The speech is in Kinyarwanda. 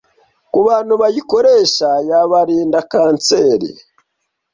kubantu bayikoresha yabarinda Canseri